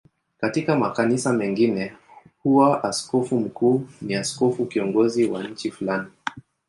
Katika makanisa mengine huwa askofu mkuu ni askofu kiongozi wa nchi fulani.